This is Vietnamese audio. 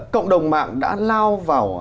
cộng đồng mạng đã lao vào